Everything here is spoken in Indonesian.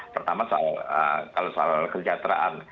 pertama soal kesejahteraan